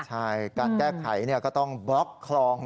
ใช่การแก้ไขก็ต้องบล็อกคลอง